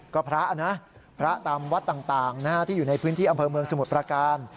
ก็พระนะพระตามวัดต่างที่อยู่ในพื้นที่อำเภอเมืองสมุทรประการ